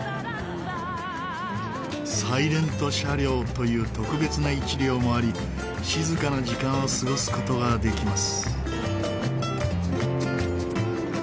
サイレント車両という特別な一両もあり静かな時間を過ごす事ができます。